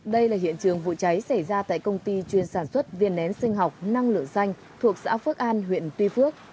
đây là hiện trường vụ cháy xảy ra tại công ty chuyên sản xuất viên nén sinh học năng lượng xanh thuộc xã phước an huyện tuy phước